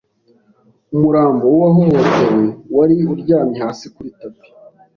Umurambo wuwahohotewe wari uryamye hasi kuri tapi.